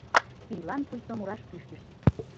Пийлан пуйто мураш кӱштышт.